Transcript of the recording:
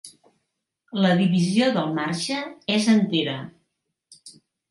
La divisió del marge és entera.